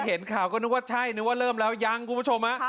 เห็นข่าวก็นึกว่าใช่นึกว่าเริ่มแล้วยังคุณผู้ชม